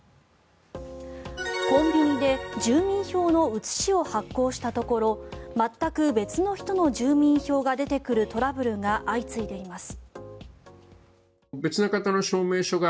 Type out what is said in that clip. コンビニで住民票の写しを発行したところ全く別の人の住民票が出てくるトラブルが相次いでいます。